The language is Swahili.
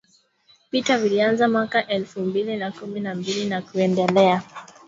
Vita vilianza mwaka elfu mbili na kumi na mbili na kuendelea